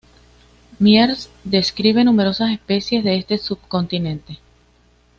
Miers describe numerosas especies de ese subcontinente.